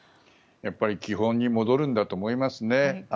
基本に戻るんだと思いますね。